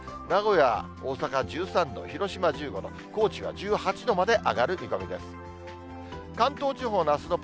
名古屋、大阪、１３度、広島１５度、高知が１８度まで上がる見込みです。